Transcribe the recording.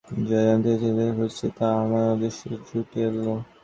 যে শান্তি ও নির্জনতা চিরদিন খুঁজছি, তা আমার অদৃষ্টে জুটল না।